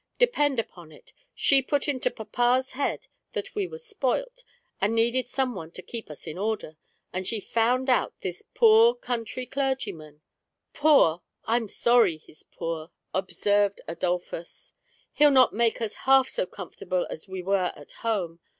Depend upon it, she put into papa's head that we were spoilt, and needed some one to keep us in order, and she found out this poor country clergyman" — "Poor — I'm sorry he's poor," observed Adolphus; " he'll not make us half so comfortable as we were at home.